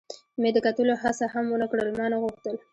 مې د کتلو هڅه هم و نه کړل، ما نه غوښتل.